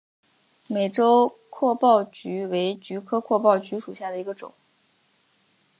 美洲阔苞菊为菊科阔苞菊属下的一个种。